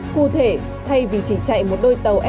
cụ thể thay vì chỉ chạy một đôi tàu